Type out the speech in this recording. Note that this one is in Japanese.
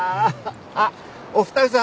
あっお二人さん